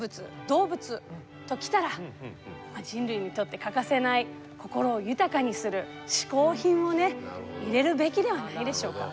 動物ときたら人類にとって欠かせない心を豊かにするしこう品をね入れるべきではないでしょうか。